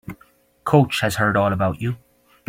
Coach has heard all about you.